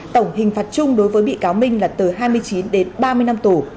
tổng hình phạt chung đối với bị cáo minh là từ hai mươi chín đến ba mươi năm tù